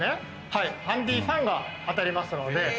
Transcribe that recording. はいハンディーファンが当たりますのでへえ